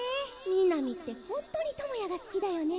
みなみってホントに智也が好きだよね。